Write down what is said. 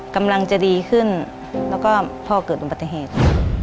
กำลังจะดีขึ้นแล้วก็พอเกิดอุบัติเหตุ